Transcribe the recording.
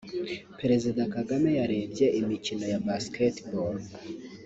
Perezida Kagame yarebye imikino ya basketball